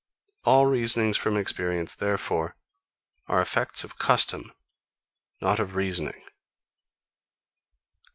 All inferences from experience, therefore, are effects of custom, not of reasoning.